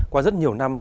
qua rất nhiều năm